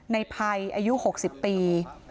ในภัยอายุ๖๐ปี